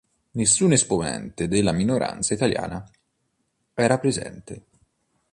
Nessun esponente della minoranza italiana era presente.